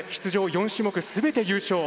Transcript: ４種目すべて優勝。